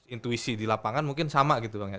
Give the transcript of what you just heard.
intuisi di lapangan mungkin sama gitu bang ya